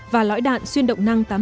và lõi đạn xuyên động năng tám mươi năm mm